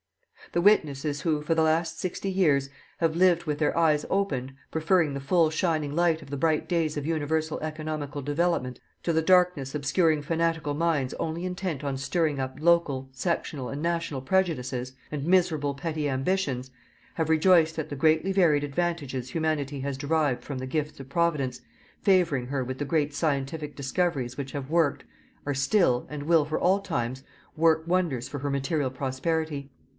The witnesses who, for the last sixty years, have lived with their eyes opened, preferring the full shining light of the bright days of universal economical development to the darkness obscuring fanatical minds only intent on stirring up local, sectional and national prejudices, and miserable petty ambitions, have rejoiced at the greatly varied advantages Humanity has derived from the gifts of Providence favouring her with the great scientific discoveries which have worked, are still, and will for all times, work wonders for her material prosperity.